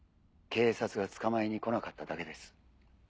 警察が捕まえに来なかっただけです。